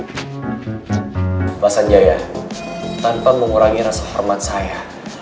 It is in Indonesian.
mas anjaya tanpa mengurangi rasa hormat saya